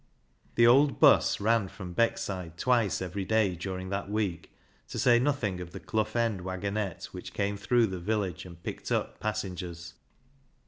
The old 'bus ran from Beckside twice every day during that week, to say nothing of the ("lough End waggonette, which came through the village and picked up passengers.